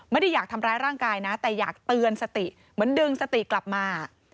ไม่ได้อยากทำร้ายร่างกายนะแต่อยากเตือนสติเหมือนดึงสติกลับมา